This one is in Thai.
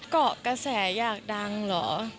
เกาะกระแสอยากดังเหรอ